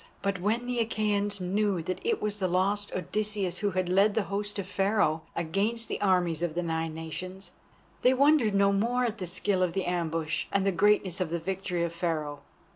But when the Achæans knew that it was the lost Odysseus who had led the host of Pharaoh against the armies of the Nine Nations, they wondered no more at the skill of the ambush and the greatness of the victory of Pharaoh.